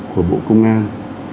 của bộ công an